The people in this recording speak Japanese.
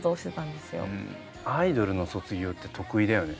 アイドルの卒業って特異だよね。